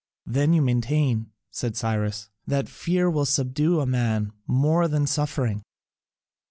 "Then, you maintain," said Cyrus, "that fear will subdue a man more than suffering?"